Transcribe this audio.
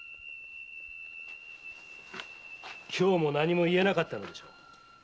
今日も何も言えなかったのでしょう？